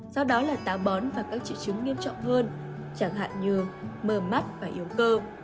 sau đó là táo bón và các triệu chứng nghiêm trọng hơn chẳng hạn như mờ mắt và yếu cơ